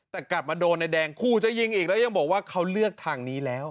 แต่กลับมาโดนนายแดงคู่จะยิงอีกแล้วยังบอกว่าเขาเลือกทางนี้แล้ว